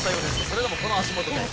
それでもこの足元で。